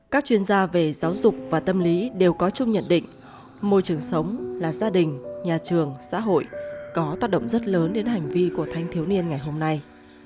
các chuyên gia về giáo dục và tâm lý đều có chung nhận định môi trường sống là gia đình nhà trường xã hội có tác động rất lớn đến hành vi của thanh thiếu niên ngày hôm nay